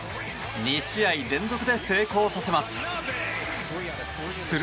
２試合連続で成功させます。